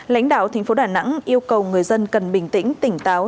lãnh đạo thành phố đà nẵng yêu cầu người dân cần bình tĩnh tỉnh táo